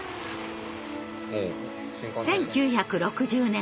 １９６０年